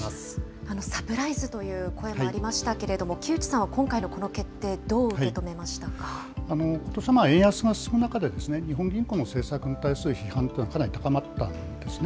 サプライズという声もありましたけれども、木内さんは今回の私は円安が進む中で、日本銀行の政策に対する批判というのは高まったんですね。